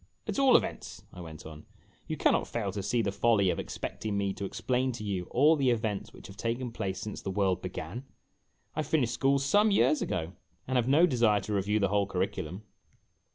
"At all events," I went on, "you can not fail to see the folly of expecting me to explain to you all the events which have taken place since the world began. I finished school some years ago, and have no desire to review the whole curriculum."